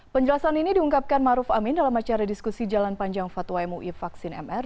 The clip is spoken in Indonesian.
penjelasan ini diungkapkan maruf amin dalam acara diskusi jalan panjang fatwa mui vaksin mr